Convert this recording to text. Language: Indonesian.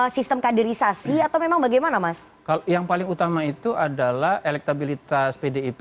sistem kaderisasi atau memang bagaimana mas kalau yang paling utama itu adalah elektabilitas pdip